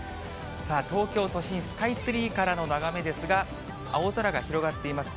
さあ、東京都心、スカイツリーからの眺めですが、青空が広がっています。